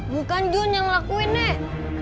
bukan john yang lakuin nek